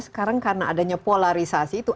sekarang karena adanya polarisasi itu